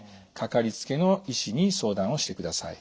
かかりつけの医師に相談をしてください。